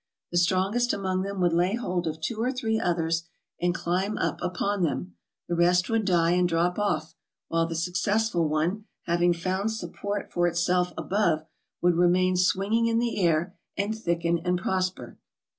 The strongest among them would lay hold of two MISCELLANEOUS 421 or three others and climb up upon them, the rest would die and drop off, while the successful one, having found support for itself above, would remain swinging in the air and thicken and prosper.